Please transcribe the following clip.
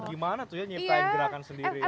gimana tuh ya nyiptain gerakan sendiri